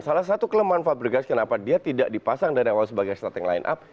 salah satu kelemahan fabrigas kenapa dia tidak dipasang dari awal sebagai starting line up